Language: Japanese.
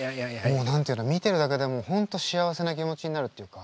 もう何て言うの見てるだけでもう本当幸せな気持ちになるっていうか